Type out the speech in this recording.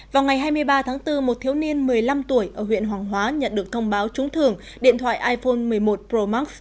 vào ngày hai mươi ba tháng bốn một thiếu niên một mươi năm tuổi ở huyện hoàng hóa nhận được thông báo trúng thưởng điện thoại iphone một mươi một pro max